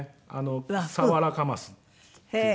サワラカマスっていうのかな。